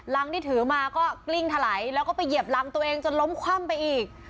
ที่ถือมาก็กลิ้งถลายแล้วก็ไปเหยียบรังตัวเองจนล้มคว่ำไปอีก